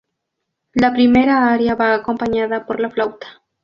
La primera aria va acompañada por la flauta.